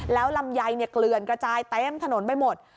แล้วลำไยเกลือนกระจายเต็มถนนไปหมด